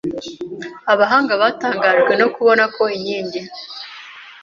Abahanga batangajwe no kubona ko inkingi